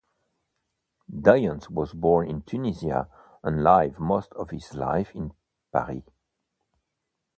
Dyens was born in Tunisia and lived most of his life in Paris.